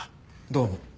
どうも。